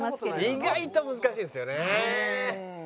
意外と難しいですよね。